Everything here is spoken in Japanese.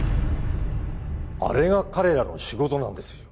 あれが彼らの仕事なんですよ